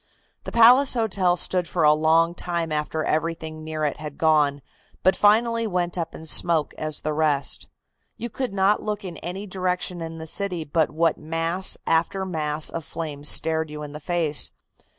The Palace Hotel stood for a long time after everything near it had gone, but finally went up in smoke as the rest. You could not look in any direction in the city but what mass after mass of flame stared you in the face.